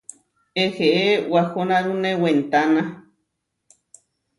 Eheé, wahonárune wentána.